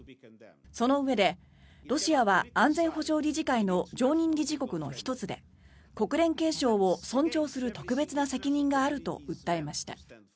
そのうえでロシアは安全保障理事会の常任理事国の１つで国連憲章を尊重する特別な責任があると訴えました。